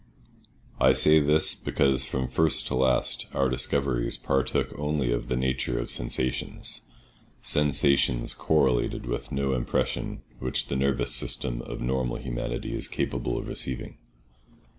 I say this because from first to last our discoveries partook only of the nature of sensations; sensations correlated with no impression which the nervous system of normal humanity is capable of receiving.